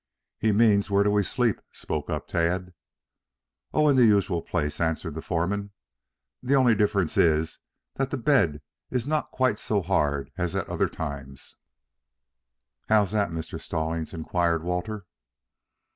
"He means where do we sleep?" spoke up Tad. "Oh, in the usual place," answered the foreman. "The only difference is that the bed is not quite so hard as at other times." "How's that, Mr. Stallings?" inquired Walter.